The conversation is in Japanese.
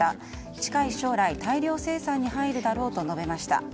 近い将来、大量生産に入るだろうと述べました。